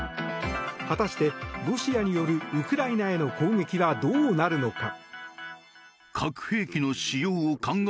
果たして、ロシアによるウクライナへの攻撃はどうなるのか。